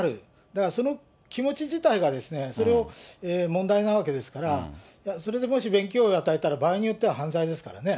だからその気持ち自体がそれを問題なわけですから、それでもし便宜供与を与えたら、犯罪ですからね。